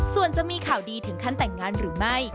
ส่วนจะมีข่าวดีถึงขั้นแต่งงานหรือไม่